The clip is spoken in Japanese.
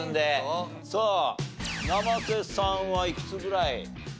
さあ生瀬さんはいくつぐらい？